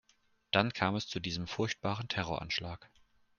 Dann kam es zu diesem furchtbaren Terroranschlag.